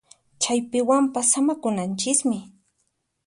Chaypiwanpas samakunanchismi